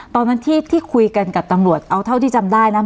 ตอนนั้นที่คุยกันกับตำรวจเอาเท่าที่จำได้นะ